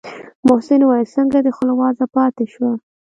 محسن وويل څنگه دې خوله وازه پاته شوه.